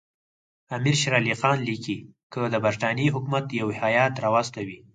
امیر شېر علي خان لیکي که د برټانیې حکومت یو هیات راواستوي.